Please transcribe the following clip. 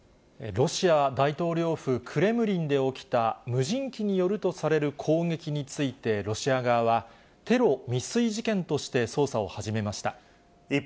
ロシア大統領府、クレムリンで起きた無人機によるとされる攻撃についてロシア側は、テロ未遂事件として捜査を始めました。